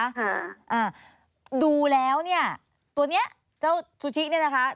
อ่าดูแล้วเนี้ยตัวเนี้ยเจ้าซูชิเนี่ยนะคะ